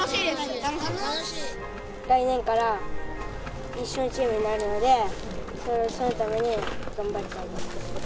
来年から一緒のチームになるので、そのために頑張りたいです。